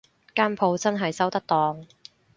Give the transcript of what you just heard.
間舖真係收得檔